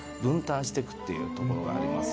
いうところがあります。